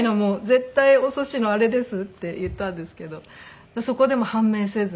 絶対おすしのあれですって言ったんですけどそこでも判明せず。